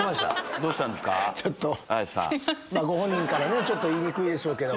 ご本人からねちょっと言いにくいでしょうけど。